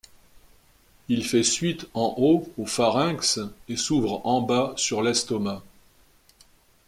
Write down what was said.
Il fait suite en haut au pharynx et s'ouvre en bas sur l'estomac.